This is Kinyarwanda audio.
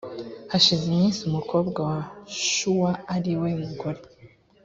hashize iminsi umukobwa wa shuwa ari we mugore